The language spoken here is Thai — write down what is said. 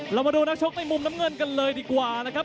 เรามาดูนักชกในมุมน้ำเงินกันเลยดีกว่านะครับ